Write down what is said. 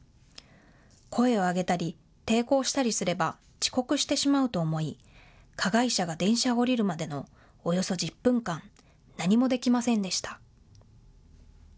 声を上げたり、抵抗したりすれば、遅刻してしまうと思い、加害者が電車を降りるまでのおよそ１０分間、何もできませんでした。